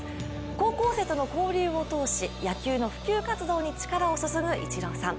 高校生との交流を通し野球の普及活動に力を注ぐイチローさん。